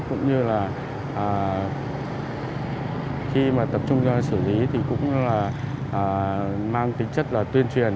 nhưng mà khi mà tập trung ra xử lý thì cũng là mang tính chất là tuyên truyền